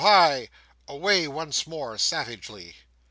Away once more, savagely.